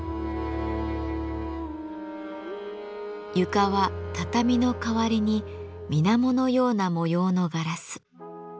床は畳の代わりにみなものような模様のガラス。